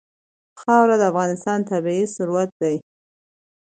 خاوره د افغانستان طبعي ثروت دی.